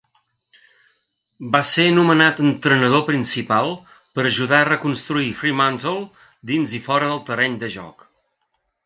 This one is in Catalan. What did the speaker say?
Va ser nomenat entrenador principal per ajudar a reconstruir Fremantle dins i fora del terreny de joc.